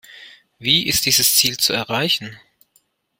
Wie ist dieses Ziel zu erreichen?